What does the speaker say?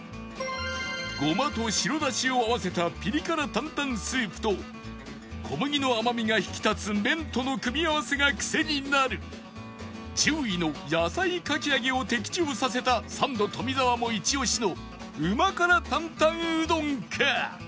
ごまと白だしを合わせたピリ辛担々スープと小麦の甘みが引き立つ麺との組み合わせがクセになる１０位の野菜かき揚げを的中させたサンド富澤もイチオシのうま辛担々うどんか